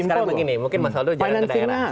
sekarang begini mungkin masalah itu jalan ke daerah